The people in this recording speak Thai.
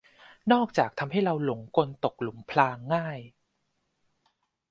นอกจากทำให้เราหลงกลตกหลุมพรางง่าย